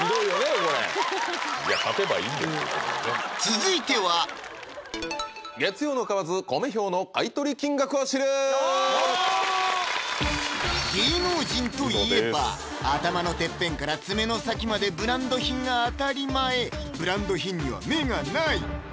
これいや勝てばいいんですよということで続いては芸能人といえば頭のてっぺんから爪の先までブランド品が当たり前ブランド品には目がない！